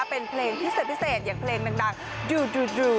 เป็นเพลงพิเศษอย่างเพลงดังดูดูดู